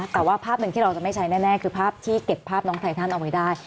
แต่ว่าภาพหนึ่งที่เราจะไม่ใช้แน่คือภาพที่เก็บภาพน้องไททันเอาไว้ได้